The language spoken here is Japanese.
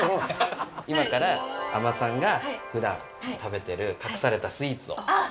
今から、海女さんが普段食べている、隠されたスイーツを。